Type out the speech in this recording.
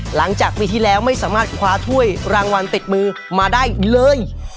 หลังจากปีที่แล้วไม่สามารถคว้าถ้วยรางวัลติดมือมาได้เลย